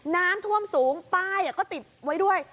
น้ำท่วมสูงป้ายก็ติดไว้ด้วย